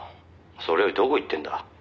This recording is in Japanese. それよりどこ行ってんだ？」